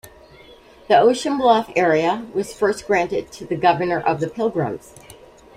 The Ocean Bluff area was first granted to the governor of the Pilgrims.